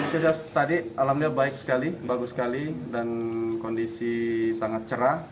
sejak tadi alamnya baik sekali bagus sekali dan kondisi sangat cerah